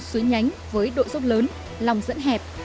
suối nhánh với độ dốc lớn lòng dẫn hẹp